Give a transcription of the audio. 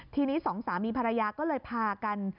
ทีนี้สองสามีภรรยาก็เลยพากัน